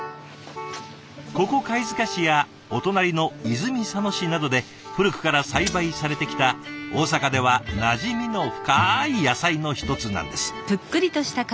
ここ貝塚市やお隣の泉佐野市などで古くから栽培されてきた大阪ではなじみの深い野菜の一つなんです。